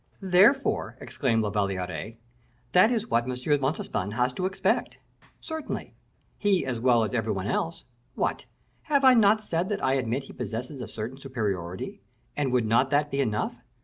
'" "Therefore," exclaimed La Valliere, "that is what M. de Montespan has to expect." "Certainly; he, as well as every one else. What! have I not said that I admit he possesses a certain superiority, and would not that be enough?